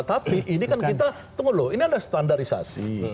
tapi ini kan tinggal lu ini ada standarisasi